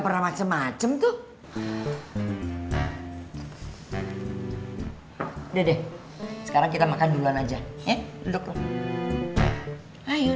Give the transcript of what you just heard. udah deh sekarang kita makan duluan aja ya duduk ayo duduk